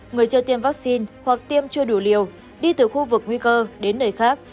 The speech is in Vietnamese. người chưa tiêm vaccine hoặc tiêm chưa đủ liều đi từ khu vực nguy cơ đến nơi khác